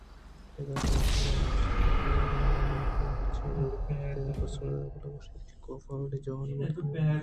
پدا کاف ءَہانزءَرا جست کُت وہدیکہ آمزن بیت گُڑا چے ئے جوڑ بیت ؟ دگہ پسوے دات بلئے گوٛشتئے کہ آ کاف ءِ وڑیں جوان مردے بوئگ لوٹیت